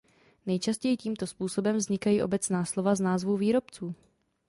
Nejčastěji tímto způsobem vznikají obecná slova z názvů výrobců.